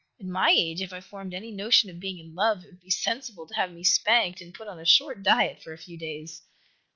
At my age, if I formed any notion of being in love, it would be sensible to have me spanked and put on a short diet for a few days."